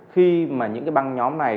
khi mà những cái băng nhóm này